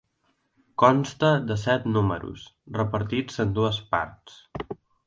Consta de set números, repartits en dues parts.